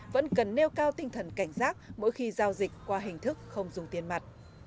vẫn cần nêu cao tinh thần cảnh giác mỗi khi giao dịch qua hình thức không dùng tiền mặt